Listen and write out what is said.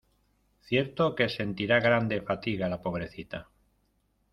cierto que sentirá grande fatiga la pobrecita.